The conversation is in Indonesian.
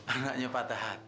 anaknya patah hati